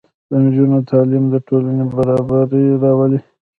د نجونو تعلیم د ټولنې برابري راولي.